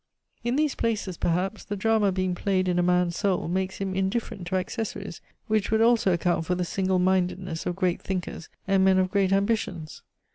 In these places, perhaps, the drama being played in a man's soul makes him indifferent to accessories, which would also account for the single mindedness of great thinkers and men of great ambitions.